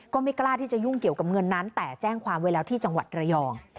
ก็ไม่กล้าที่จะยุ่งเกี่ยวกับเงินนั้นแต่แจ้งความไว้แล้วที่จังหวัดระยอง